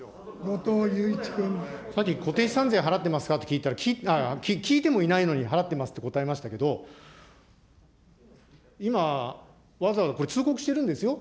さっき、固定資産税払ってますかって聞いたら、聞いてもいないのに払っていますと答えましたけど、今、わざわざこれ、通告してるんですよ。